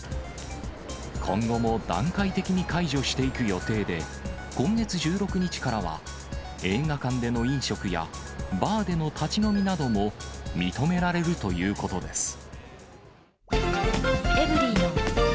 今後も段階的に解除していく予定で、今月１６日からは、映画館での飲食や、バーでの立ち飲みなども認められるということです。